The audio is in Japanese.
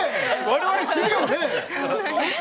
我々、するよね。